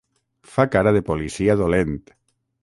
Fa cara de policia dolent.